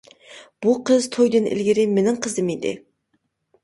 بۇ قىز تويىدىن ئىلگىرى مىنىڭ قىزىم ئىدى.